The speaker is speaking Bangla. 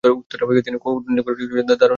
তিনি কূনৈতিকভাবেও ছিলেন দারুণ সফল।